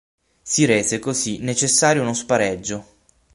Si rese così necessario uno spareggio.